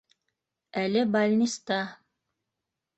Әле балниста.